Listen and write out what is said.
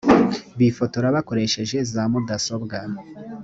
bifotora bakoresheje za mudasobwa